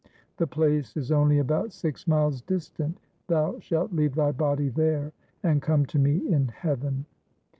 The place is only about six miles distant. Thou shalt leave thy body there, and come to me in heaven.'